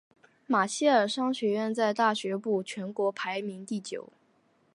马歇尔商学院在大学部全国排名第九。